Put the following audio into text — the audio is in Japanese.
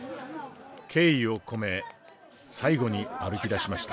敬意を込め最後に歩きだしました。